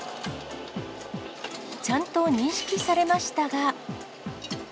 ちゃんと認識されましたが。